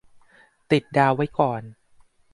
ติดดาวไว้ก่อน